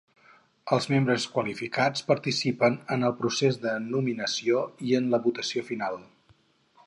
Els membres qualificats participen en el procés de nominació i en la votació final.